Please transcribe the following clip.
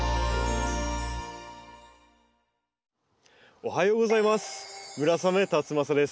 おはようございます。